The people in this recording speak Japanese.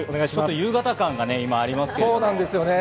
夕方感がありますね。